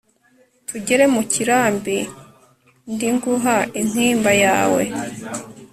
tugere mu kirambi ndnguha inkima yawe